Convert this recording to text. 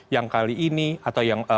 yang kali ini atau yang